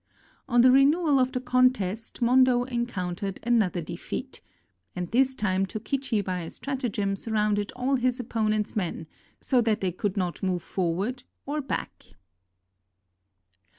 On the renewal of the contest, Hondo encountered another defeat; and this time Tokichi by a stratagem 337 JAPAN surrounded all his opponent's men so that they could not move forward or back.